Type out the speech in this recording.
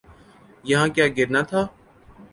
یہاں کیا گرنا تھا؟